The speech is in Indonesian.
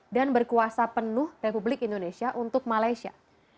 dan berkuasa penuh republik indonesia untuk malaysia